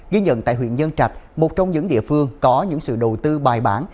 ghi nhận tại huyện nhân trạch một trong những địa phương có những sự đầu tư bài bản